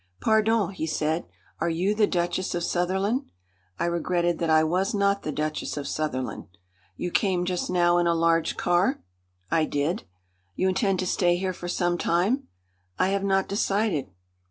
"Pardon!" he said. "Are you the Duchess of Sutherland?" I regretted that I was not the Duchess of Sutherland. "You came just now in a large car?" "I did." "You intend to stay here for some time?" "I have not decided."